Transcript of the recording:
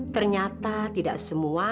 ternyata tidak semua